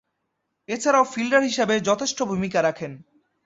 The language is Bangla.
এছাড়াও, ফিল্ডার হিসেবে যথেষ্ট ভূমিকা রাখেন।